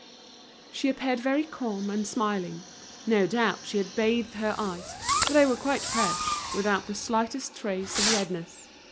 She appeared very calm and smiling. No doubt she had bathed her eyes, for they were quite fresh, without the slightest trace of redness.